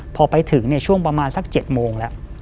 พอไปถึงช่วงประมาณสัก๗โมงแล้ว